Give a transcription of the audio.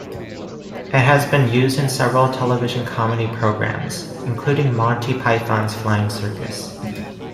It has been used in several television comedy programmes, including Monty Python's Flying Circus.